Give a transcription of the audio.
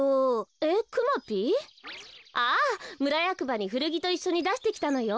むらやくばにふるぎといっしょにだしてきたのよ。